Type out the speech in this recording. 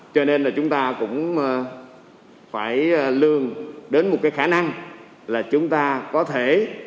cho nên là chúng ta cũng phải lương đến một cái khả năng là chúng ta có thể